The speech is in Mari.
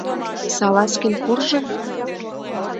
Салазкин куржын?